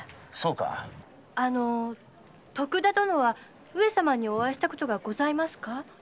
あの徳田殿は上様にお会いしたことがございますか？